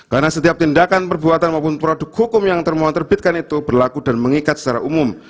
karena setiap tindakan perbuatan maupun produk hukum yang termohon terbitkan itu berlaku dan mengikat secara umum